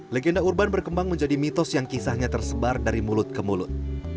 legenda urban berkembang menjadi mitos yang kisahnya tersebar dari mulut ke mulut